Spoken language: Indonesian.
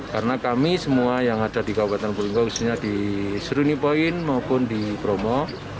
karena kami semua yang ada di kabupaten bromo di seruni point maupun di bromo